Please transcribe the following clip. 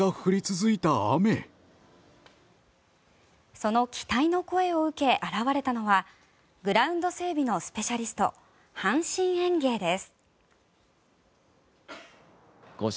その期待の声を受け現れたのはグラウンド整備のスペシャリスト阪神園芸です。